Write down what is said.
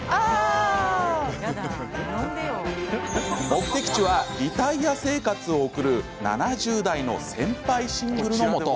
目的地は、リタイア生活を送る７０代の先輩シングルのもと。